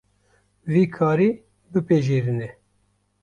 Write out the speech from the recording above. Vî karî bipejirîne.